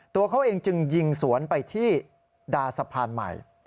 ตัวเขาเองจึงยิงสวนไปที่ดาสะพานใหม่